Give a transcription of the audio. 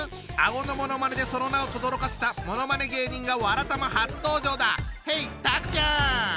顎のものまねでその名をとどろかせたものまね芸人が「わらたま」初登場だ！